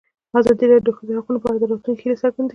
ازادي راډیو د د ښځو حقونه په اړه د راتلونکي هیلې څرګندې کړې.